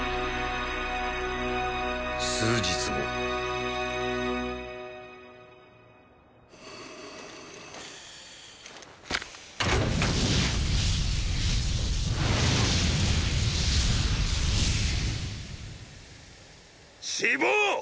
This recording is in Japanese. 数日後死亡！